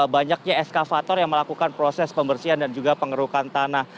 banyaknya eskavator yang melakukan proses pembersihan dan juga pengerukan tanah